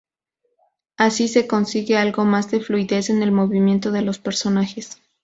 Así se consigue algo más de fluidez en el movimiento de los personajes.